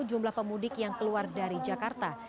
jumlah pemudik yang keluar dari jakarta